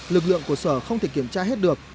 lực lượng của sở không thể kiểm tra hết được